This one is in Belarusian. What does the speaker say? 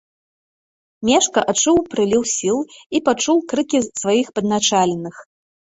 Мешка адчуў прыліў сіл і пачуў крыкі сваіх падначаленых.